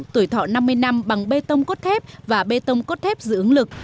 tuổi thọ năm mươi năm bằng bê tông cốt thép và bê tông cốt thép dưỡng lực